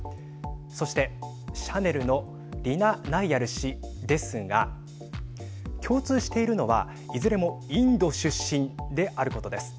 そして、シャネルのリナ・ナイヤル氏ですが共通しているのはいずれもインド出身であることです。